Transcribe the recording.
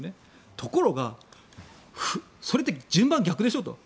ところが、それって順番逆でしょって。